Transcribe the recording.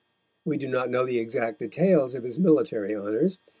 We do not know the exact details of his military honours.